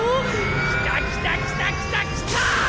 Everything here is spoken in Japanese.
来た来た来た来た来た！